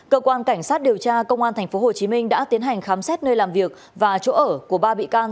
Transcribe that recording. cơ quan cảnh sát điều tra công an tp hcm đã tiến hành khám xét nơi làm việc và chỗ ở của ba bị can